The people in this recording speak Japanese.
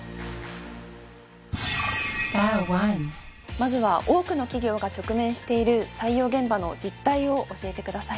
まずは多くの企業が直面している採用現場の実態を教えてください。